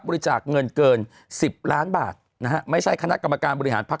บริจาคเงินเกิน๑๐ล้านบาทนะฮะไม่ใช่คณะกรรมการบริหารพัก